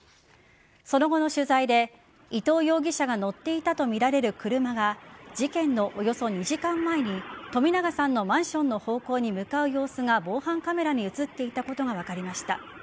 その後の取材で伊藤容疑者が乗っていたとみられる車が事件のおよそ２時間前に冨永さんのマンションの方向に向かう様子が防犯カメラに映っていたことが分かりました。